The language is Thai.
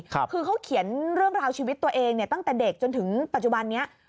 คือเขาเขียนเรื่องราวชีวิตตัวเองเนี่ยตั้งแต่เด็กจนถึงปัจจุบันนี้